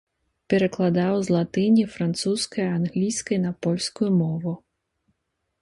Перакладаў з латыні, французскай, англійскай на польскую мову.